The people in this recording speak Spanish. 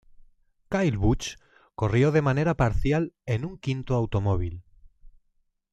Kyle Busch corrió de manera parcial en un quinto automóvil.